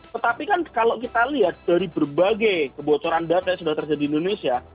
tetapi kan kalau kita lihat dari berbagai kebocoran data yang sudah terjadi di indonesia